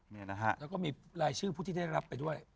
นี่นะฮะแล้วก็มีรายชื่อผู้ที่ได้รับไปด้วย